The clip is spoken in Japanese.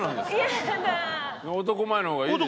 男前の方がいいでしょ？